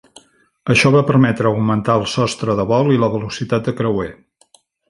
Això va permetre augmentar el sostre de vol i la velocitat de creuer.